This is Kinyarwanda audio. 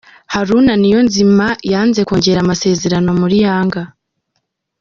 Haruna niyonzima yanze kongera amasezerano muri Yanga